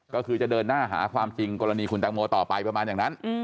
ก็คือจะเดินหน้าหาความจริงกรณีคุณแตงโมต่อไปประมาณอย่างนั้น